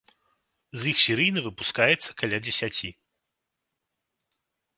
З іх серыйна выпускаецца каля дзесяці.